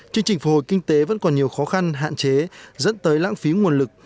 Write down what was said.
chương trình phổ hồi kinh tế vẫn còn nhiều khó khăn hạn chế dẫn tới lãng phí nguồn lực